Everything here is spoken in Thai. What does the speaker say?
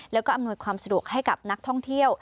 แล้วก็อำนวยความสะดวกให้กับนักท่องเที่ยว